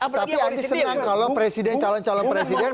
tapi anda senang kalau presiden calon calon presiden